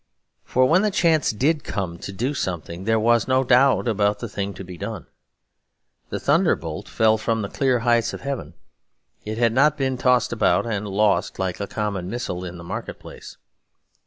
For when the chance did come to do something, there was no doubt about the thing to be done. The thunderbolt fell from the clear heights of heaven; it had not been tossed about and lost like a common missile in the market place.